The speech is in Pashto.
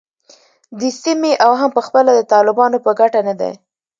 د سیمې او هم پخپله د طالبانو په ګټه نه دی